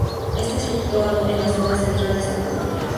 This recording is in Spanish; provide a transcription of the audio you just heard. Está situado en la zona central de Santa Maria.